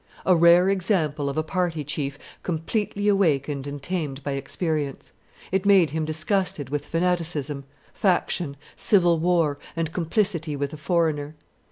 A rare example of a party chief completely awakened and tamed by experience: it made him disgusted with fanaticism, faction, civil war, and complicity with the foreigner.